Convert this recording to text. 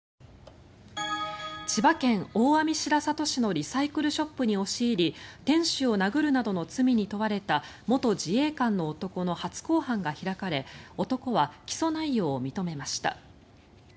千葉県大網白里市のリサイクルショップに押し入り店主を殴るなどの罪に問われた元自衛官の男の初公判が開かれ男は起訴内容を認めました。